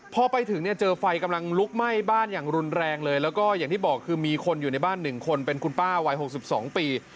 พอไปถึงเนี่ยเจอไฟกำลังลุกไหม้บ้านอย่างรุนแรงเลยแล้วก็อย่างที่บอกคือมีคนอยู่ในบ้าน๑คนเป็นคุณป้าวัย๖๒ปี